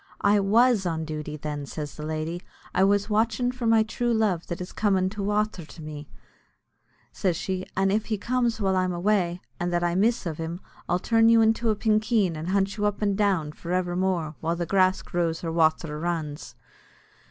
"I was on duty, then," says the lady; "I was watchin' for my true love that is comin' by wather to me," says she, "an' if he comes while I'm away, an' that I miss iv him, I'll turn you into a pinkeen, and I'll hunt you up and down for evermore, while grass grows or wather runs."